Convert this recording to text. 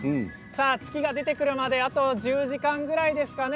月が出てくるまであと１０時間ぐらいですかね。